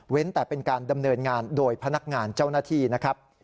แต่เป็นการดำเนินงานโดยพนักงานเจ้าหน้าที่นะครับ